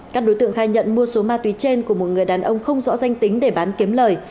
các đối tượng khai nhận mua số ma túy trên của một người đàn ông không rõ danh tính để bán kiếm lời